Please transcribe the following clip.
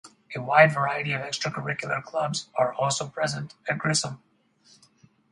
A wide variety of extracurricular clubs are also present at Grissom.